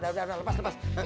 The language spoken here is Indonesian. udah udah udah lepas lepas